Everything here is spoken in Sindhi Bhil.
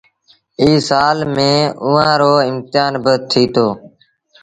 ائيٚݩ سآل ميݩ اُئآݩ رو امتهآن با ٿيٚتو۔